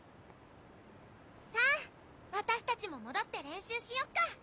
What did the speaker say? さあ私たちも戻って練習しよっか。